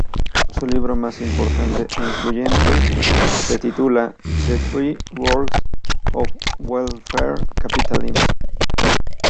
Su libro más importante e influyente se titula "The Three Worlds of Welfare Capitalism".